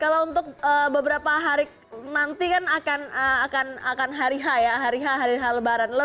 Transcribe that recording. kalau untuk beberapa hari nanti kan akan hari ha ya hari ha lebaran